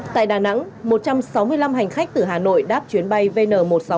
tại đà nẵng một trăm sáu mươi năm hành khách từ hà nội đáp chuyến bay vn một trăm sáu mươi